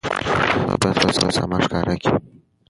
هغه بايد خپل سامان ښکاره کړي.